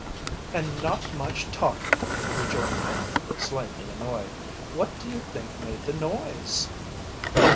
"And not much talking," rejoined Penny, slightly annoyed. "What do you think made the noise?"